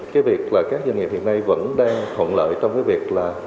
cái việc là các doanh nghiệp hiện nay vẫn đang thuận lợi trong cái việc là